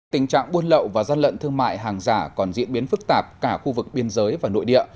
tình trạng buôn lậu và gian lận thương mại hàng giả còn diễn biến phức tạp cả khu vực biên giới và nội địa